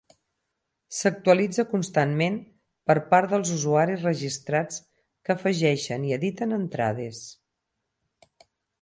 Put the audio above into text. S'actualitza constantment per part dels usuaris registrats que afegeixen i editen entrades.